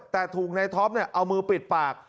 แต่ถูกในท็อปเอามือปิดปาก